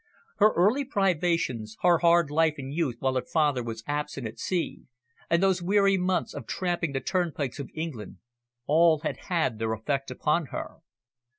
Her early privations, her hard life in youth while her father was absent at sea, and those weary months of tramping the turnpikes of England, all had had their effect upon her.